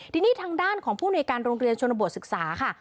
ทีนี้ทางด้านของผู้ในการโรงเรียนชนบทศึกษาค่ะ